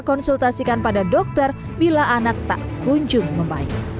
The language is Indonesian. konsultasikan pada dokter bila anak tak kunjung membaik